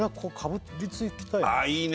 あいいね！